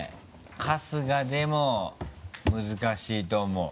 春日でも難しいと思う。